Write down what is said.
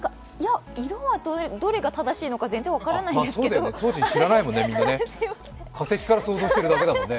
色はどれが正しいのか、全然分からないんですけど、化石から想像してるだけだもんね。